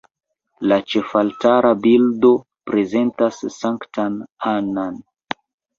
La ĉefaltara bildo prezentas Sanktan Annan.